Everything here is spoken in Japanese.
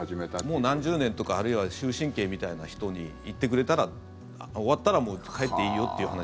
もう何十年とかあるいは終身刑みたいな人に行ってくれたら終わったらもう帰っていいよっていう話。